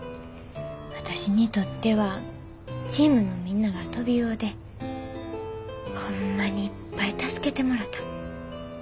私にとってはチームのみんながトビウオでホンマにいっぱい助けてもろた。